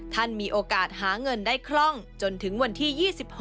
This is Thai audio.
ท่านมีโอกาสหาเงินได้คล่องจนถึงวันที่๒๖